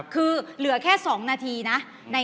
ค่ะอะเนอะเป็นคนกลางนิดหนึ่ง